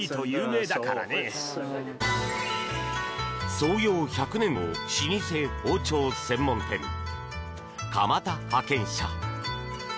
創業１００年の老舗包丁専門店かまた刃研社。